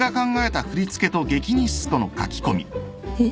えっ？